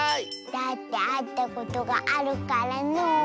だってあったことがあるからのう。